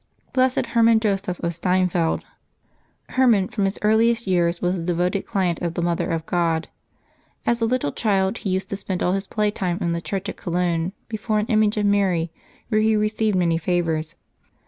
BLESSED HERMAN JOSEPH OF STEINFELD. HERMAN" from his earliest years was a devoted client of the Mother of God. As a little child he used to spend all his playtime in the church at Cologne before an image of Mary, where he received many favors.